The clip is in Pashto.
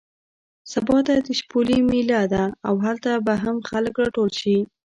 سبا ته د شپولې مېله ده او هلته به هم خلک راټول شي.